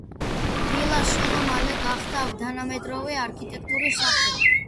ვილა სულ მალე გახდა თანამედროვე არქიტექტურის სახე.